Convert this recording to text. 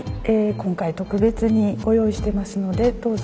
今回特別にご用意してますのでどうぞ。